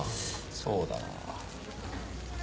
そうだな。